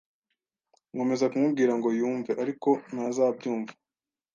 Nkomeza kumubwira ngo yumve, ariko ntazabyumva.